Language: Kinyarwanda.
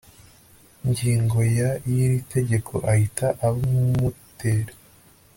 ngingo ya y iri tegeko ahita aba umunoteri